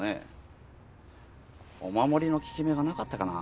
お守りの効き目がなかったかな？